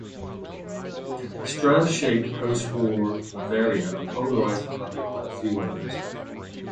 Strauss shaped post-war Bavaria and polarized the public like few others.